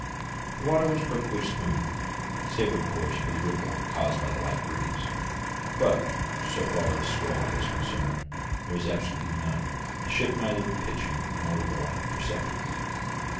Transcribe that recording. The water was perfectly smooth, save of course for the ripple caused by the light breeze; but, so far as swell was concerned, there was absolutely none, the ship neither pitching nor rolling perceptibly.